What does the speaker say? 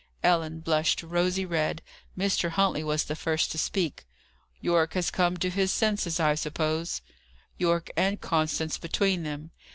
Ellen blushed rosy red. Mr. Huntley was the first to speak. "Yorke has come to his senses, I suppose?" "Yorke and Constance between them.